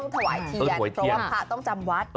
ถวายเทียนเพราะว่าพระต้องจำวัด